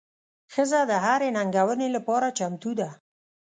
ښځه د هرې ننګونې لپاره چمتو ده.